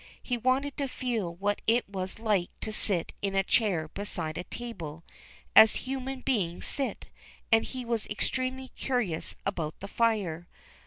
He wanted to feel what it was like to sit in a chair beside a table as human beings sit, and he was extremely curious about the fire.